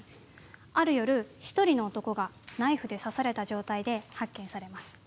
ある夜１人の男がナイフで刺された状態で発見されます。